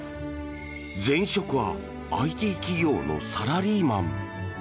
前職はＩＴ企業のサラリーマン。